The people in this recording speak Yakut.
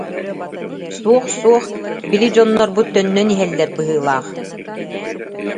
Суох, суох, били дьоннорбут төннөн иһэллэр быһыылаах